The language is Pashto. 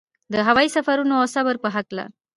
د هوايي سفرونو او صبر په هکله.